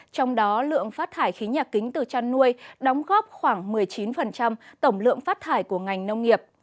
trong đó lượng phát thải khí nhà kính từ chăn nuôi đóng góp khoảng một mươi chín tổng lượng phát thải của ngành nông nghiệp